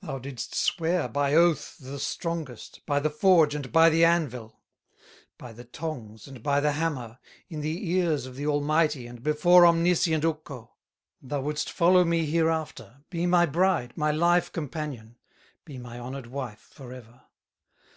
Thou didst swear by oath the strongest, By the forge and by the anvil, By the tongs and by the hammer, In the ears of the Almighty, And before omniscient Ukko, Thou wouldst follow me hereafter, Be my bride, my life companion, Be my honored wife forever.